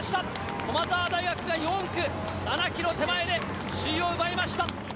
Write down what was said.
駒澤大学が４区、７ｋｍ手前で首位を奪いました。